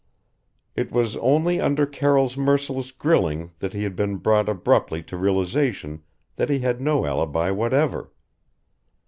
It was only under Carroll's merciless grilling that he had been brought abruptly to realization that he had no alibi whatever.